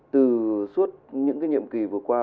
từ suốt những cái nhiệm kỳ vừa qua